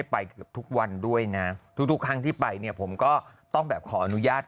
ไปเกือบทุกวันด้วยนะทุกทุกครั้งที่ไปเนี่ยผมก็ต้องแบบขออนุญาต